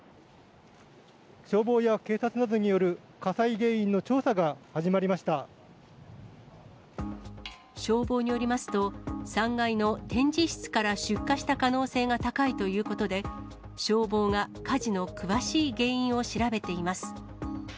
消防や警察などによる火災原消防によりますと、３階の展示室から出火した可能性が高いということで、消防が火事の詳しい原因を調べています。